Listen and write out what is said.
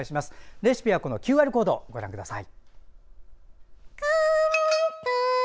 レシピはＱＲコードからご覧ください。